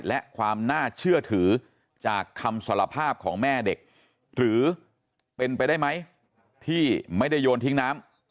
และความน่าเชื่อถือจากคำสารภาพของแม่เด็กหรือเป็นไปได้ไหมที่ไม่ได้โยนทิ้งน้ำ